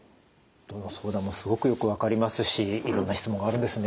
どの相談もすごくよく分かりますしいろんな質問があるんですね。